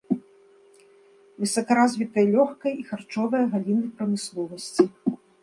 Высокаразвітыя лёгкая і харчовая галіны прамысловасці.